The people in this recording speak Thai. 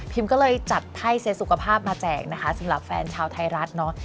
ก็เลยจัดไพ่เซ็ตสุขภาพมาแจกนะคะสำหรับแฟนชาวไทยรัฐเนาะ